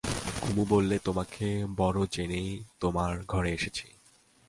কুমু বললে, তোমাকে বড়ো জেনেই তোমার ঘরে এসেছি।